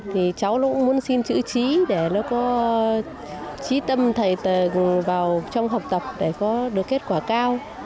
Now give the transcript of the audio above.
thì cháu nó cũng muốn xin chữ trí để nó có trí tâm thầy vào trong học tập để có được kết quả cao